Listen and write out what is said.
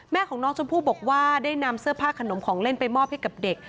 แม่ของน้องชมพู่บอกว่าได้นำเสื้อผ้าขนมของเล่นไปมอบให้กับเด็ก